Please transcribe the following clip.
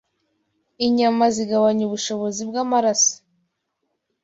Inyama zigabanya ubushobozi bw’amaraso